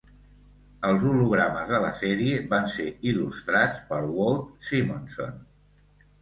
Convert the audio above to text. Els hologrames de la sèrie van ser il·lustrats per Walt Simonson.